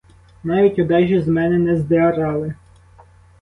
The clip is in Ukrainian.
Навіть одежі з мене не здирали.